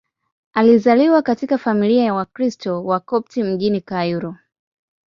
Alizaliwa katika familia ya Wakristo Wakopti mjini Kairo.